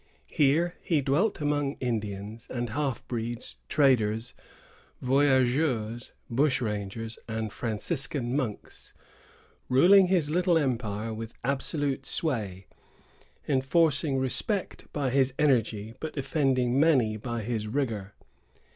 Here he dwelt among Indians, and half breeds, traders, voyageurs, bush rangers, and Franciscan monks, ruling his little empire with absolute sway, enforcing respect by his energy, but offending many by his rigor.